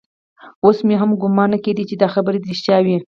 اوس مې هم ګومان نه کېده چې دا خبرې دې رښتيا وي.